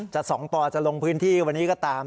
๒ปจะลงพื้นที่วันนี้ก็ตาม